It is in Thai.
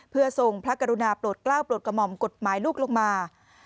เพื่อทรงพระกรุณาโปรดกล้าวโปรดกระหม่อมกฎหมายลูกลงมา